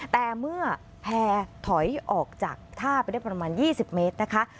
แต่เมื่อแพร่ถอยออกจากท่าไปได้ประมาณ๒๐เมตรนะคะ